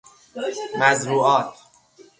مزروعات